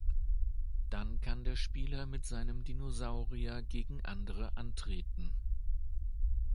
Dann kann der Spieler mit seinem Dinosaurier gegen andere antreten.